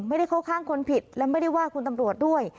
ไม่ได้เข้าข้างคนผิดและไม่ได้ว่าคุณตำรวจด้วย